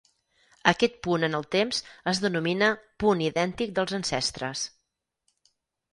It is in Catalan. Aquest punt en el temps es denomina "punt idèntic dels ancestres".